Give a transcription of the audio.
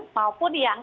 modern maupun yang